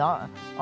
あ